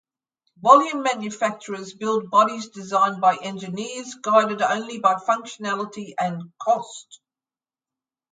Volume manufacturers built bodies designed by engineers, guided only by functionality and cost.